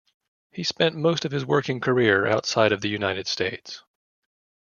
He spent most of his working career outside of the United States.